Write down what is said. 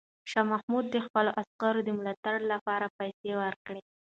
شاه محمود د خپلو عسکرو د ملاتړ لپاره پیسې ورکړې.